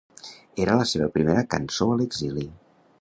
Era la seva primera cançó a l’exili.